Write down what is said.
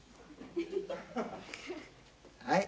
「はい。